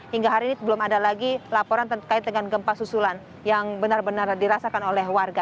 hingga hari ini belum ada lagi laporan terkait dengan gempa susulan yang benar benar dirasakan oleh warga